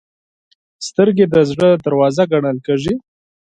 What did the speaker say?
سترګې د زړه دروازه ګڼل کېږي